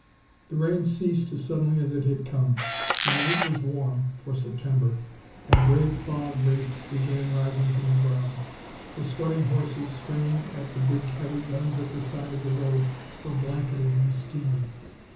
The rain ceased as suddenly as it had come. The night was warm, for September, and grey fog wraiths began rising from the ground. The sweating horses, straining at the big heavy guns at the side of the road, were blanketed in steam.